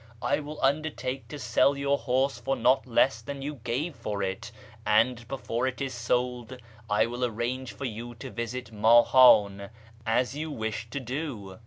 I will undertake to sell your horse for not less than you gave for it, and before it is sold I will arrange for you to visit Mahan, as you wished to do.